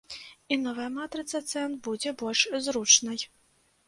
І новая матрыца цэн будзе больш зручнай.